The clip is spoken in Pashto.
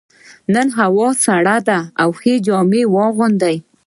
نن هوا سړه ده، ښه جامې واغونده.